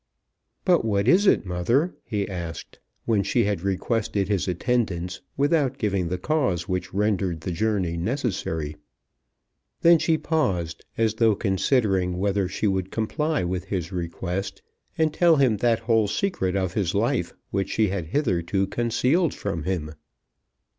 "But what is it, mother?" he asked, when she had requested his attendance without giving the cause which rendered the journey necessary. Then she paused as though considering whether she would comply with his request, and tell him that whole secret of his life which she had hitherto concealed from him.